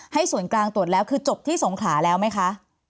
ส่วนกลางตรวจแล้วคือจบที่สงขลาแล้วไหมคะ